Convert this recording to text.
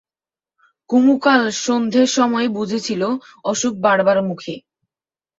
কুমু কাল সন্ধের সময়েই বুঝেছিল অসুখ বাড়বার মুখে।